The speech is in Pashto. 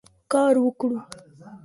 کار وکړو.